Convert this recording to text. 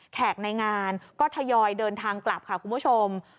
แขกในงานก็ทยอยเดินทางกลับค่ะคุณผู้ชม